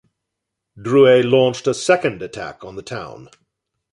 Drouet launched a second attack on the town.